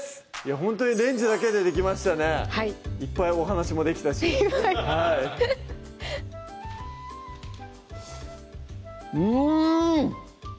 ほんとにレンジだけでできましたねいっぱいお話もできたしうん！